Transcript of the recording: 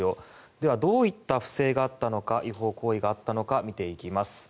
ではどういった不正があったのか違法行為があったのか見ていきます。